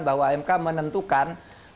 bahwa mk menentukan